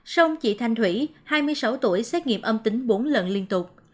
xong chị thanh thủy hai mươi sáu tuổi xét nghiệm âm tính bốn lần liên tục